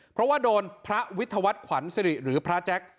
เพราะว่าโดนพระวิทยาวัฒน์ขวัญสิริหรือพระแจ็ค